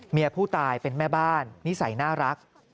เมียผู้ตายเป็นแม่บ้านนิสัยน่ารัก